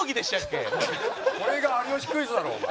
これが『有吉クイズ』だろお前。